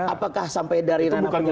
apakah sampai dari